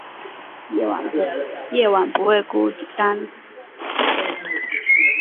夜晚不会孤单